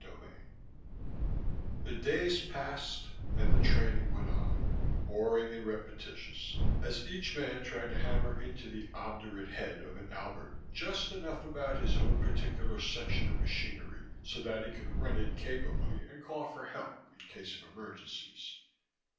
10 The days passed and the training went on, boring and repetitious as each man tried to hammer into the obdurate head of an Albert just enough about his own particular section of machinery so that he could run it capably and call for help in case of emergencies.